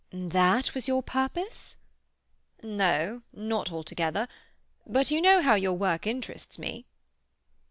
"That was your purpose—?" "No, not altogether. But you know how your work interests me."